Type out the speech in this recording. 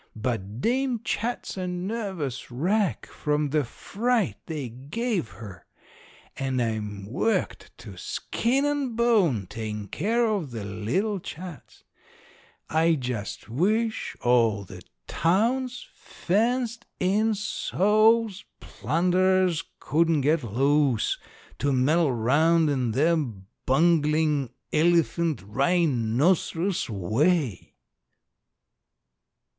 But Dame Chat's a nervous wreck from the fright they gave her; and I'm worked to skin and bone takin' care of the little Chats. I just wish all the town's fenced in so's blunderers couldn't get loose to meddle round in their bunglin', elephant, rhinoceros way!